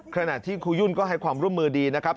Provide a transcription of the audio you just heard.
ขณะที่ครูยุ่นก็ให้ความร่วมมือดีนะครับ